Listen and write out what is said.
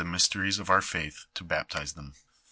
i mysteries of our faitli, to baptize them.